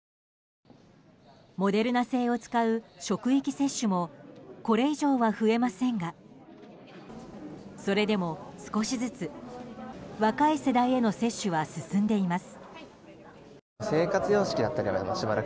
モデルナ製を使う職域接種もこれ以上は増えませんがそれでも少しずつ若い世代への接種は進んでいます。